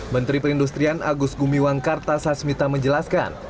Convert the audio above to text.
menteri perindustrian agus gumiwangkartas hasmita menjelaskan